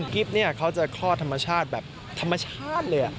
กิ๊บเนี่ยเขาจะคลอดธรรมชาติแบบธรรมชาติเลย